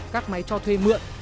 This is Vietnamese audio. các máy cho thuê mượn